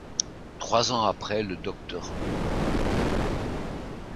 Trois ans après, le Dr.